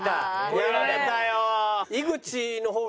やられたよ。